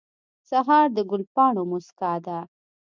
سهار د ګل پاڼو موسکا ده.